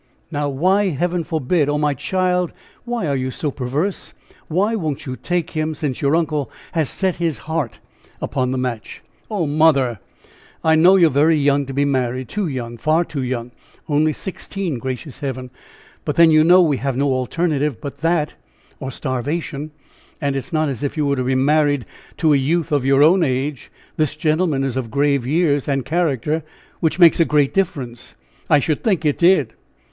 "Now, why 'heaven forbid?' Oh! my child, why are you so perverse? Why won't you take him, since your uncle has set his heart upon the match?" "Oh, mother!" "I know you are very young to be married too young! far too young! Only sixteen, gracious heaven! But then you know we have no alternative but that, or starvation; and it is not as if you were to be married to a youth of your own age this gentleman is of grave years and character, which makes a great difference." "I should think it did."